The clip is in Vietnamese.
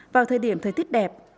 vào thời điểm thời tiết đẹp